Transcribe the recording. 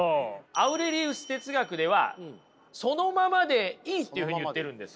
アウレリウス哲学ではそのままでいいっていうふうに言っているんですよ。